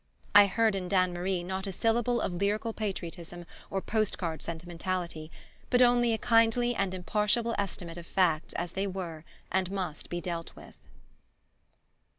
I heard in Dannemarie not a syllable of lyrical patriotism or post card sentimentality, but only a kindly and impartial estimate of facts as they were and must be dealt with.